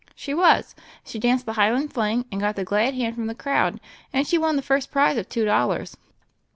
"She was. She danced tne Highland Fling, and got the glad hand from the crowd, and she won the first prize of two dollars."